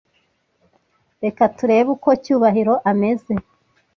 Reka turebe uko Cyubahiro ameze.